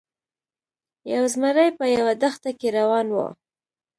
یو زمری په یوه دښته کې روان و.